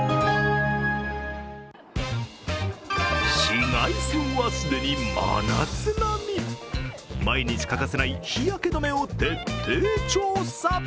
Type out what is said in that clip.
紫外線は既に真夏並み、毎日欠かせない日焼け止めを徹底調査。